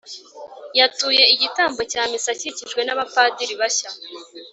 yatuye igitambo cya missa akikijwe n’abapadiri bashya